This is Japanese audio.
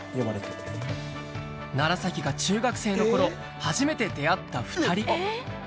楢が中学生の頃初めて出会った２人